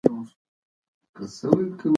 دولت خان د احمدشاه بابا نیکه و.